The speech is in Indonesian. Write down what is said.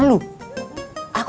kamu gak mau